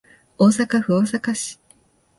大阪府大阪市